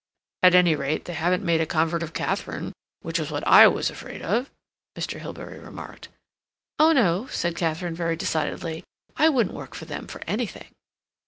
"At any rate, they haven't made a convert of Katharine, which was what I was afraid of," Mr. Hilbery remarked. "Oh no," said Katharine very decidedly, "I wouldn't work with them for anything."